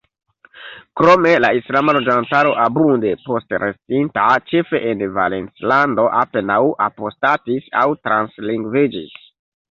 Krome, la islama loĝantaro, abunde postrestinta, ĉefe en Valencilando, apenaŭ apostatis aŭ translingviĝis.